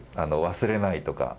忘れないとか。